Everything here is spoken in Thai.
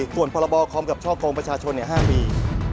ส่วนพรบคอมกับช่อกงประชาชน๕ปี